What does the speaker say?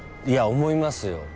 いや思いますよ。